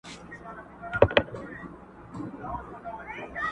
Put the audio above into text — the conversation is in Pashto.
اوښکه یم په لاره کي وچېږم ته به نه ژاړې،